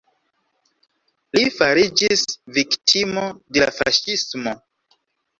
Li fariĝis viktimo de la faŝismo.